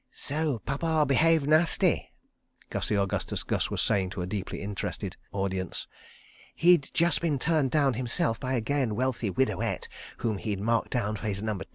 "So Pappa behaved nasty," Gussie Augustus Gus was saying to a deeply interested audience. "He'd just been turned down himself by a gay and wealthy widowette whom he'd marked down for his Number 2.